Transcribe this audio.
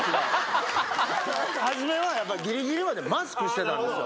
初めはやっぱりぎりぎりまでマスクしてたんですよ。